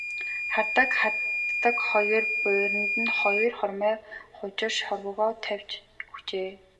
Хайрдаг хаздаг хоёр бууранд нь хоёр хормой хужир шорвогоо тавьж өгчээ.